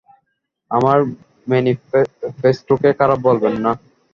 আমার ম্যানিফেস্টোকে খারাপ বলবেন না।